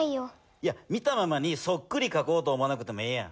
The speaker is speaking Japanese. いや見たままにそっくりかこうと思わなくてもええやん。